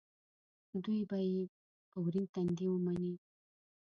دوی به یې په ورین تندي ومني.